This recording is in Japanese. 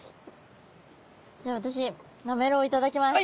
では私なめろういただきます。